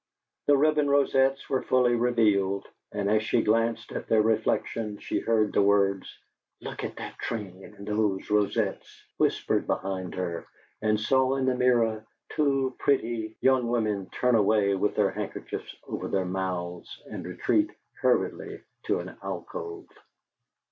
The ribbon rosettes were fully revealed, and as she glanced at their reflection she heard the words, "LOOK AT THAT TRAIN AND THOSE ROSETTES!" whispered behind her, and saw in the mirror two pretty young women turn away with their handkerchiefs over their mouths and retreat hurriedly to an alcove.